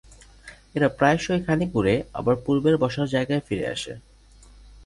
এরা প্রায়শই খানিক উড়ে আবার পূর্বের বসার জায়গায় ফিরে আসে।